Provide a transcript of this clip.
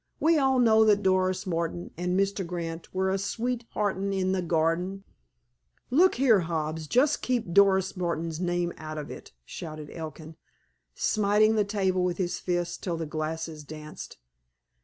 We all know that Doris Martin an' Mr. Grant were a'sweet 'eartin' in the garden—" "Look here, Hobbs, just keep Doris Martin's name out of it!" shouted Elkin, smiting the table with his fist till the glasses danced.